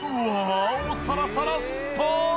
サラサラスットーン！